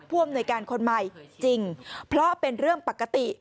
อำนวยการคนใหม่จริงเพราะเป็นเรื่องปกติ